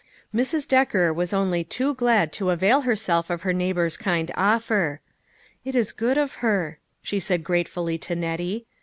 Mrs. Decker was only too glad to avail her self of her neighbor's kind offer. "It is good of her," she said gratefully to Nettie.